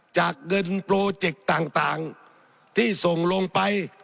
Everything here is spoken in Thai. จากเงินโปรเจกต์ต่างที่ส่งลงไป